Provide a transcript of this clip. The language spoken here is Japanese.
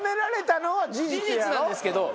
事実なんですけど。